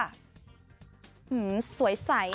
หื้มสวยใสอ่ะ